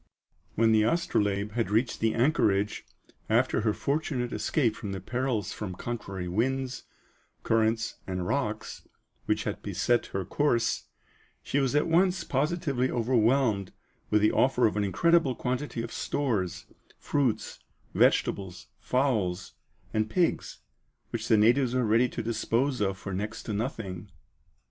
When the Astrolabe had reached the anchorage, after her fortunate escape from the perils from contrary winds, currents, and rocks, which had beset her course, she was at once positively overwhelmed with the offer of an incredible quantity of stores, fruits, vegetables, fowls, and pigs, which the natives were ready to dispose of for next to nothing.